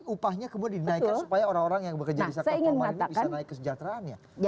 upahnya kemudian dinaikkan supaya orang orang yang bekerja di sektor formal ini bisa naik kesejahteraannya